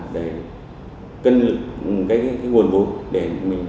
để cân lực nguồn vụ để đầu tư theo quy định